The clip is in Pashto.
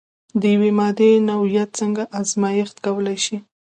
د یوې مادې نوعیت څنګه ازميښت کولی شئ؟